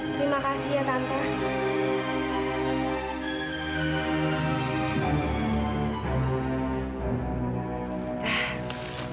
terima kasih ya tante